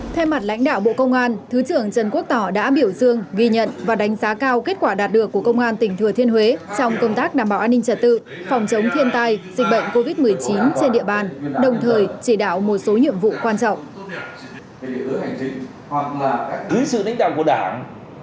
thay mặt lãnh đạo bộ công an thứ trưởng trần quốc tỏ đã biểu dương ghi nhận và đánh giá cao kết quả đạt được của công an tỉnh thừa thiên huế trong công tác đảm bảo an ninh trật tự phòng chống thiên tai dịch bệnh covid một mươi chín trên địa bàn đồng thời chỉ đạo một số nhiệm vụ quan trọng